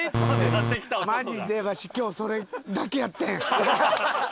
マジでわし今日それだけやってん。